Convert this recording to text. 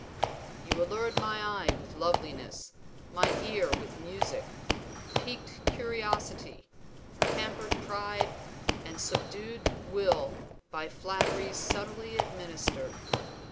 You allured my eye with loveliness, my ear with music; piqued curiosity, pampered pride, and subdued will by flatteries subtly administered.